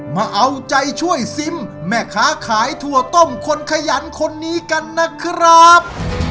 มาเอาใจช่วยซิมแม่ค้าขายถั่วต้มคนขยันคนนี้กันนะครับ